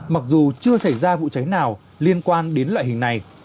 mặc dù chưa xảy ra vụ cháy nào liên quan đến loại hình này